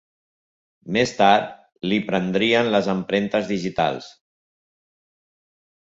Més tard, l'hi prendrien les empremtes digitals.